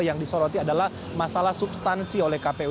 yang disoroti adalah masalah substansi oleh kpu